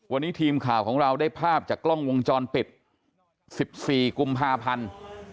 วันนี้ทีมข่าวของเราได้ภาพจากกล้องวงจรปิด๑๔กุมภาพันธ์